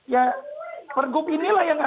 ya pergub inilah yang